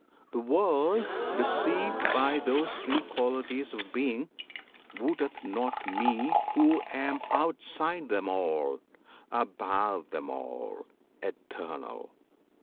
The world Deceived by those three qualities of being Wotteth not Me Who am outside them all, Above them all, Eternal!